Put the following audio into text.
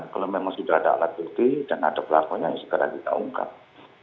kalau memang sudah ada alat bukti dan ada pelakunya ya segera kita ungkap